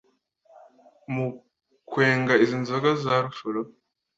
mu kwenga izi nzoga za rufuro